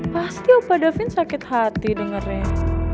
pasti opa devin sakit hati dengernya